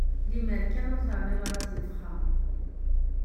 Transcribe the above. Lemmer kan ur terniḍ ara ttnefxa.